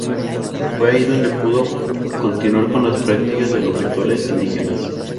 Fue ahí donde pudo continuar con la práctica de los rituales indígenas.